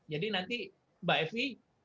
jadi nanti mbak evi